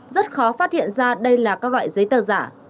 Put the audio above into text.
rất khó phát hiện ra đây là các loại giấy tờ giả